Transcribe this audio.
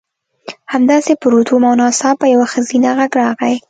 همداسې پروت وم او ناڅاپه یو ښځینه غږ راغی